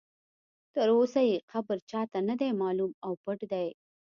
تر اوسه یې قبر چا ته نه دی معلوم او پټ دی.